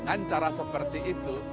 dengan cara seperti itu